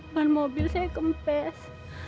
bahan mobil saya kempes